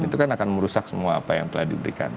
itu kan akan merusak semua apa yang telah diberikan